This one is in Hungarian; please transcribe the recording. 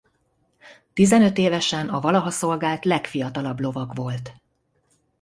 Tizenöt évesen a valaha szolgált legfiatalabb lovag volt.